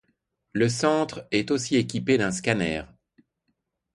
Le centre est aussi équipé d’un scanner.